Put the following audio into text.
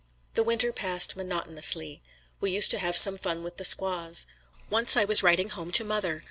The winter passed monotonously. We used to have some fun with the squaws. Once I was writing home to mother.